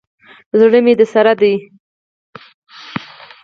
زړه مي درسره دی.